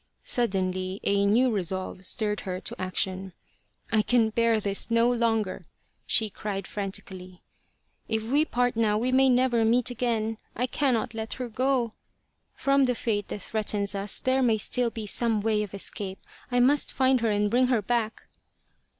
Suddenly a new resolve stirred her to ac tion. " I can bear this no longer !" she cried frantic ally. " If we part now we may never meet again. I cannot let her go ! From the fate that threatens us there may still be some way of escape. I must find her and bring her back."